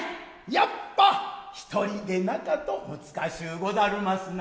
やっぱ一人でなかとむずかしゅうござるますな。